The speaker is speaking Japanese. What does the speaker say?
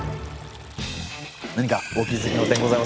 何かお気づきの点ございませんか？